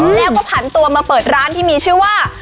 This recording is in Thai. แล้วก็ผันตัวมาเปิดร้านที่มีชื่อว่า